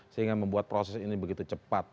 sehingga membuat proses ini begitu cepat